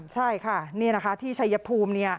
ใช่ค่ะนี่นะคะที่ไชยภูมิ